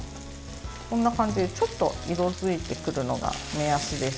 こんな感じで、ちょっと色づいてくるのが目安です。